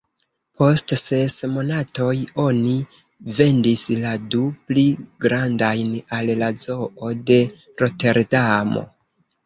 Post ses monatoj, oni vendis la du pli grandajn al la Zoo de Roterdamo.